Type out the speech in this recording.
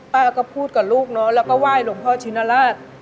ป้าก็พูดกับลูกเนอะแล้วก็ไหว้หลวงพ่อชินราช